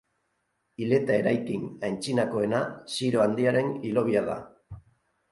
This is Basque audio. Hileta eraikin antzinakoena Ziro Handiaren hilobia da.